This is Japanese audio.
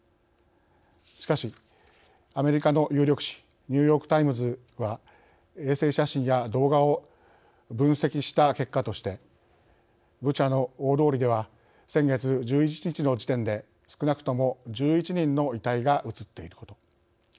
しかし、アメリカの有力紙ニューヨークタイムズは衛星写真や動画を分析した結果としてブチャの大通りでは先月１１日の時点で少なくとも１１人の遺体が映っていること。